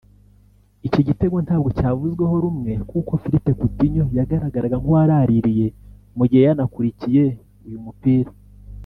Iki gitego ntabwo cyavuzweho rumwe kuko Philippe Coutinho yagaragaraga nk'uwaraririye mu gihe yanakurikiye uyu mupira